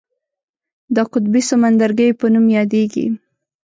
د قطبي سمندرګیو په نوم یادیږي.